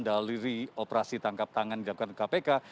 dalam liri operasi tangkap tangan di dalam kpk